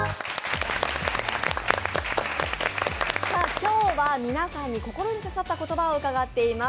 今日は皆さんに心に刺さった言葉を伺っています。